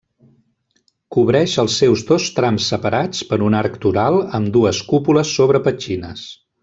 Cobreix els seus dos trams separats per un arc toral amb dues cúpules sobre petxines.